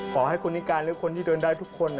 ขอให้คนนิการหรือคนที่เดินได้ทุกคน